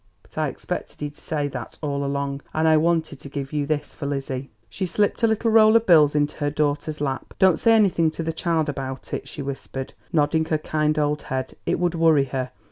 "But I expected he'd say that all along, and I wanted to give you this for Lizzie." She slipped a little roll of bills into her daughter's lap. "Don't say anything to the child about it," she whispered, nodding her kind old head; "it would worry her.